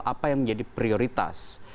apa yang menjadi prioritas